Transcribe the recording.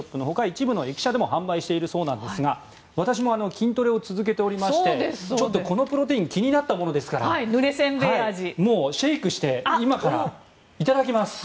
一部の駅舎でも販売しているそうですが私も筋トレを続けておりましてちょっと、このプロテイン気になったものですからもうシェイクして今からいただきます。